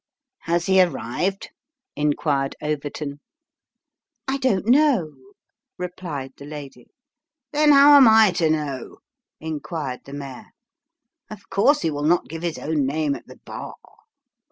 " Has he arrived ?" inquired Overton. " I don't know," replied the lady. " Then how am I to know ?" inquired the mayor. " Of course he will not give his own name at the bar."